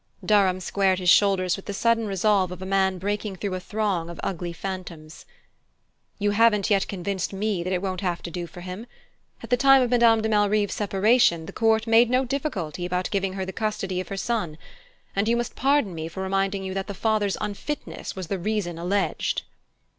Durham squared his shoulders with the sudden resolve of a man breaking through a throng of ugly phantoms. "You haven't yet convinced me that it won't have to do for him. At the time of Madame de Malrive's separation, the court made no difficulty about giving her the custody of her son; and you must pardon me for reminding you that the father's unfitness was the reason alleged."